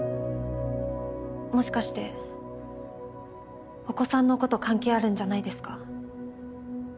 もしかしてお子さんのこと関係あるんじゃないですか？